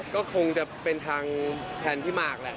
ก็คงจะเป็นทางแทนพี่หมากแหละ